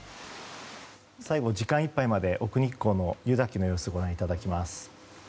最後、時間いっぱいまで奥日光の湯滝の様子をご覧いただきます。